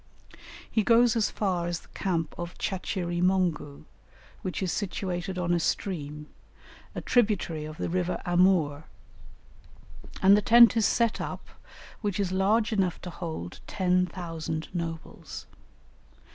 He goes as far as the camp of Chachiri Mongou, which is situated on a stream, a tributary of the river Amoor, and the tent is set up, which is large enough to hold ten thousand nobles.